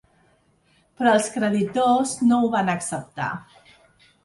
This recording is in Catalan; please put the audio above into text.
Però els creditors no ho van acceptar.